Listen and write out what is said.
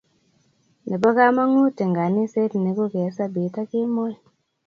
nebo kamangut eng kaniset ni ko kee saa bet ak kemboi